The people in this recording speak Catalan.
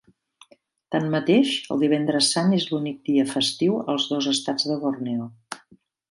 Tanmateix, el Divendres Sant és l'únic dia festiu als dos estats de Borneo.